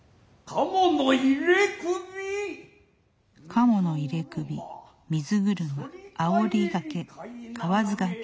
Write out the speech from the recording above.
鴨のいれ首水車反返腕投あをりがけ河津がけ